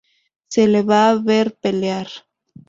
Se le va a ver pelear.